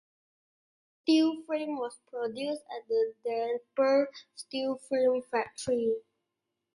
The steel frame was produced at the Dnieper Steel Frame Factory.